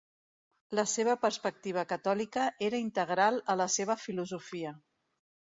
La seva perspectiva catòlica era integral a la seva filosofia.